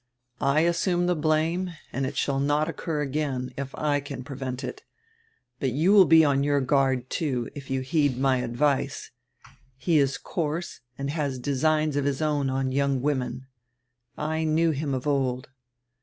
I assume die blame, and it shall not occur again, if I can prevent it. But you will be on your guard, too, if you heed my advice. He is coarse and has designs of his own on young women. I knew him of old."